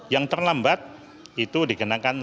yang terlambat itu dikenakan